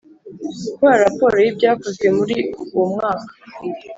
Gukora raporo y ibyakozwe muri uwo mwaka